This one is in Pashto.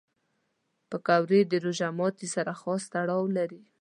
پکورې د روژه ماتي سره خاص تړاو لري